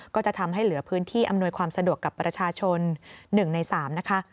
ก็จะทำให้เหลือพื้นที่อำนวยความสะดวกกับประชาชน๑ใน๓นะคะ